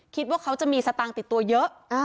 คิดว่าเขาจะมีสตางค์ติดตัวเยอะ